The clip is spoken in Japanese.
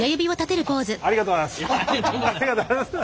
ありがとうございます！